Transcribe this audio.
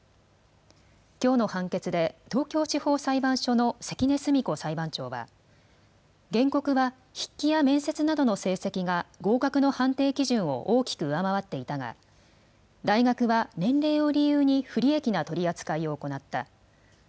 きょうの判決で東京地方裁判所の関根澄子裁判長は、原告は、筆記や面接などの成績が合格の判定基準を大きく上回っていたが、年齢を理由に不利益な取り扱いを行った。